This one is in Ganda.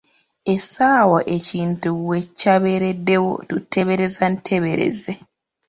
Essaawa ekintu we kya beereddewo tuteebereza nteebereze.